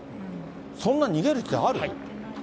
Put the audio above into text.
そんな逃げる必要ある？